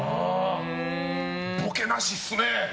ボケなしっすね！